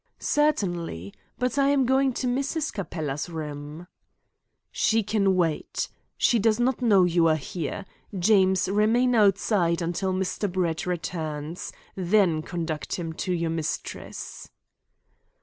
"Certainly. But I am going to Mrs. Capella's room." "She can wait. She does not know you are here. James, remain outside until Mr. Brett returns. Then conduct him to your mistress."